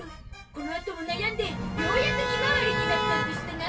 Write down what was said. このあとも悩んでようやく「ひまわり」になったんでしたな。